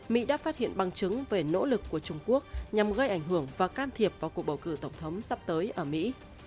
mỹ đã phát hiện bằng chứng về nỗ lực của trung quốc nhằm gây ảnh hưởng và can thiệp vào cuộc bầu cử tổng thống sắp tới ở mỹ